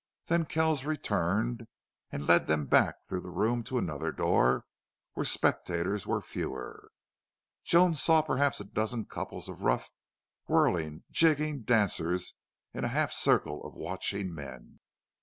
Then Kells returned and led them back through the room to another door where spectators were fewer. Joan saw perhaps a dozen couples of rough, whirling, jigging dancers in a half circle of watching men.